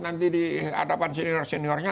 nanti di hadapan senior seniornya